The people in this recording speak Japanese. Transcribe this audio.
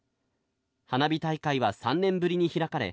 花火大会は３年ぶりに開かれ、